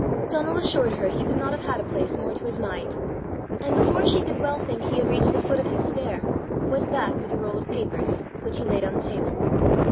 Donal assured her he could not have had a place more to his mind, and before she could well think he had reached the foot of his stair, was back with a roll of papers, which he laid on the table.